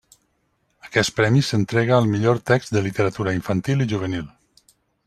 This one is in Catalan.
Aquest premi s'entrega al millor text de literatura infantil i juvenil.